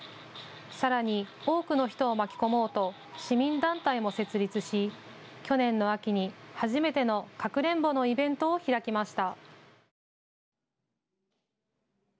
さらに多くの人を巻き込もうと市民団体も設立し、去年の秋に初めてのかくれんぼのイベントを開きました。